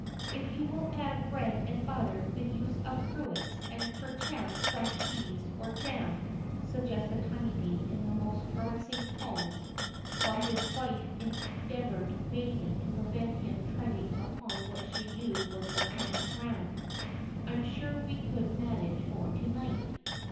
"If you will add bread and butter, the use of the cruets, and perchance some cheese or jam," suggested Honeybee in his most caressing tones, while his wife endeavoured vainly to prevent him treading upon what she knew was volcanic ground, "I'm sure we could manage for to night."